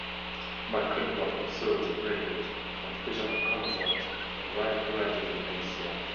McClintock observed the breakage and fusion of chromosomes in irradiated maize cells.